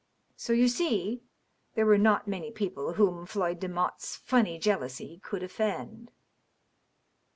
So, you see, there were not many people whom Floyd Demotte's funny jealousy could offend."